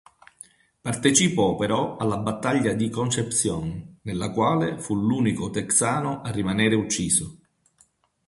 Partecipò però alla Battaglia di Concepción, nella quale fu l'unico texano a rimanere ucciso.